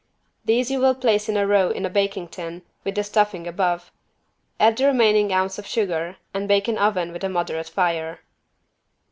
These you will place in a row in a baking tin, with the stuffing above. Add the remaining ounce of sugar and bake in oven with a moderate fire.